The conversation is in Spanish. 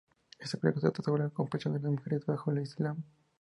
Esta película trata sobre la opresión de las mujeres bajo el Islam.